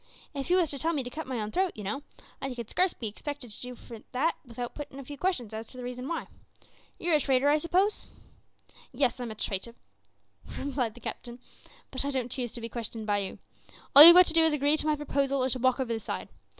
"If you wos to tell me to cut my own throat, you know, I could scarce be expected for to do it without puttin' a few questions as to the reason why. You're a trader, I suppose?" "Yes, I'm a trader," replied the captain, "but I don't choose to be questioned by you. All you've got to do is to agree to my proposal or to walk over the side.